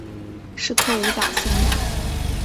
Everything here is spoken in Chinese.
是颗五角星。